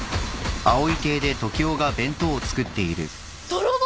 泥棒！？